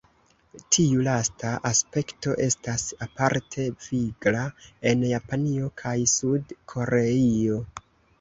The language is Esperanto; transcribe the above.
Tiu lasta aspekto estas aparte vigla en Japanio kaj Sud-Koreio.